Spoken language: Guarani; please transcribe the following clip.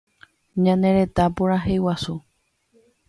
Ñane Retã Purahéi Guasu